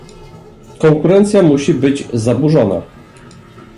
Konkurencja musi być zaburzona